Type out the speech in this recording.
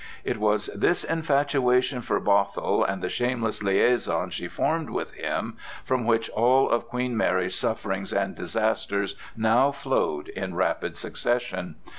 It was this infatuation for Bothwell and the shameless liaison she formed with him from which all of Queen Mary's sufferings and disasters now flowed in rapid succession.